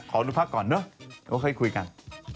ขอรับพักก่อนด้วยค่อยคุยกัน